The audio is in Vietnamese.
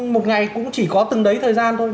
một ngày cũng chỉ có từng đấy thời gian thôi